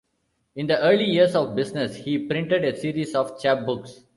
In the early years of business, he printed a series of chapbooks.